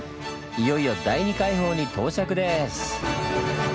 いよいよ第二海堡に到着です！